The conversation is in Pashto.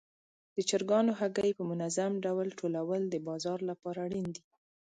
د چرګانو هګۍ په منظم ډول ټولول د بازار لپاره اړین دي.